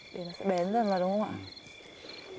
để nó sẽ bén dần là đúng không ạ